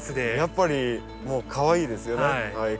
やっぱりもうかわいいですよね。